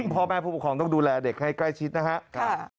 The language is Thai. พ่อแม่ผู้ปกครองต้องดูแลเด็กให้ใกล้ชิดนะครับ